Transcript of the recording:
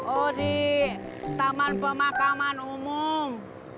oh di taman pemakaman umum